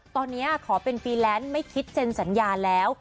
ตอนนี้ขอเป็นฟรีแลนซ์ไม่คิดเซ็นสัญญาแล้ว